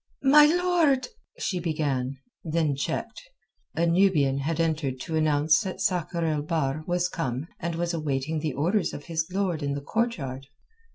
"My lord...." she began, then checked. A Nubian had entered to announce that Sakr el Bahr was come and was awaiting the orders of his lord in the courtyard.